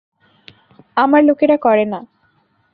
আমার লোকেরা করে না।